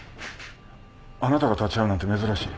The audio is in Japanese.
あなたが立ち会うなんて珍しい。